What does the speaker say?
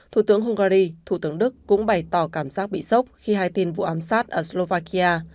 thủ tướng hungary thủ tướng đức cũng bày tỏ cảm giác bị sốc khi hai tin vụ ám sát ở slovakia